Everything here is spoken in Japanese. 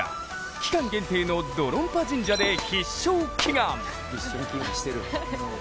期間限定のドロンパ神社で必勝祈願。